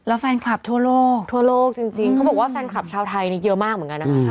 แล้วแฟนคลับทั่วโลกทั่วโลกจริงเขาบอกว่าแฟนคลับชาวไทยนี่เยอะมากเหมือนกันนะคะ